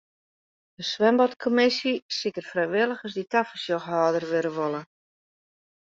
De swimbadkommisje siket frijwilligers dy't tafersjochhâlder wurde wolle.